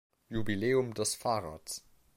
Jubiläum des Fahrrads.